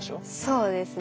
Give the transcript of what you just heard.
そうですね。